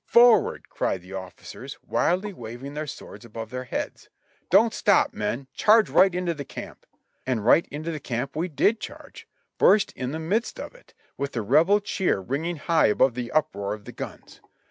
Forward!" cried the officers, wildly waving their swords above their heads. "Don't stop, men! Charge right into the camp!" And right into the camp we did charge — burst in the midst of it, with the Rebel cheer ringing high above the uproar of the guns.